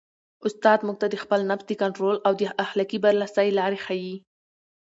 استاد موږ ته د خپل نفس د کنټرول او د اخلاقي برلاسۍ لارې ښيي.